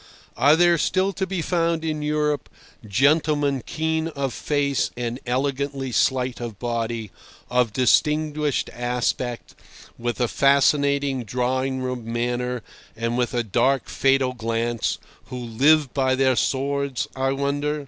Are there still to be found in Europe gentlemen keen of face and elegantly slight of body, of distinguished aspect, with a fascinating drawing room manner and with a dark, fatal glance, who live by their swords, I wonder?